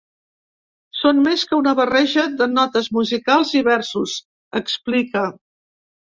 Són més que una barreja de notes musicals i versos, explica.